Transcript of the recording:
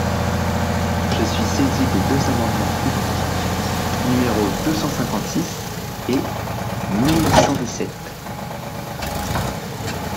Je suis saisi de deux amendements identiques, numéros deux cent cinquante-six et mille cent dix-sept.